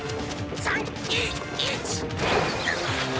３２１！